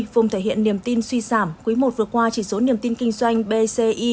vùng thể hiện niềm tin suy giảm quý i vừa qua chỉ số niềm tin kinh doanh bci